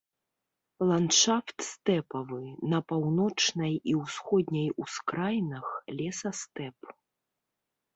Ландшафт стэпавы, на паўночнай і ўсходняй ускраінах лесастэп.